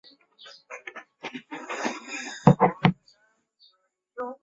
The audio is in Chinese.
格拉塞伦巴赫是德国黑森州的一个市镇。